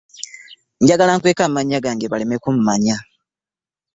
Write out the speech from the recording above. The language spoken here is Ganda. Njagala nkweke amannya gange baleme kummanya.